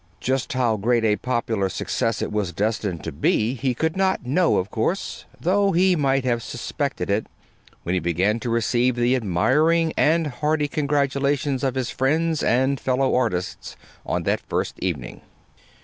Just how great a popular success it was destined to be, he could not know, of course, though he might have suspected it when he began to receive the admiring and hearty congratulations of his friends and fellow artists on that first evening.